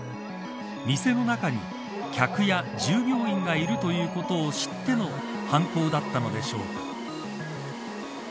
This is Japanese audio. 店の中に、客や従業員がいるということを知っての犯行だったのでしょう。